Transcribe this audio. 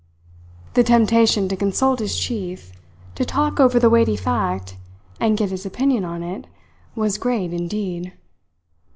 The temptation to consult his chief, to talk over the weighty fact, and get his opinion on it, was great indeed.